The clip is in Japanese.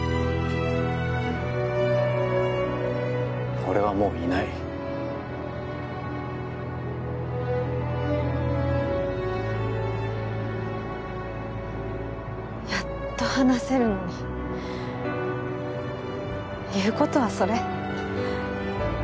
俺はもういないやっと話せるのに言うことはそれ？